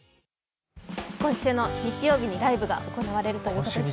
今週の日曜日にライブが行われるということで。